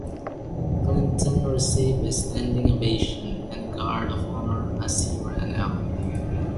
Clinton received a standing ovation and a guard of honour as he ran out.